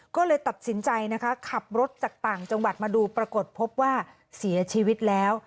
ก็เลยตัดสินใจนะคะขับรถจากต่างจังหวัดมาดูปรากฏพบว่าเสียชีวิตแล้ว